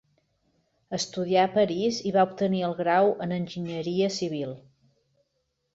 Estudià a París i va obtenir el grau en enginyeria civil.